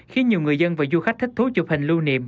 khiến nhiều người dân và du khách thích thú chụp hình lưu niệm